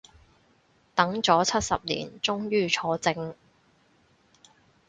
等咗七十年終於坐正